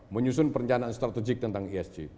menyusun perencanaan strategik tentang esg